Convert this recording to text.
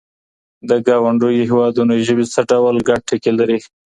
د ګاونډیو هیوادونو ژبې څه ډول ګډ ټکي لري؟